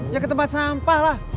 ya ke tempat sampah lah